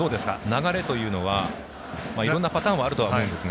流れというのはいろんなパターンはあると思いますが。